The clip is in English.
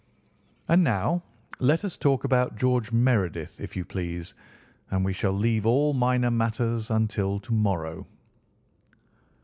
And now let us talk about George Meredith, if you please, and we shall leave all minor matters until to morrow."